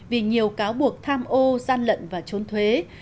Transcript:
vì nhiều cáo buộc tham ô gian lận và trốn thuế